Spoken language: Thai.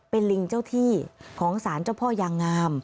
เป็นลิงเจ้าที่ของสารเจ้าพ่อยางงาม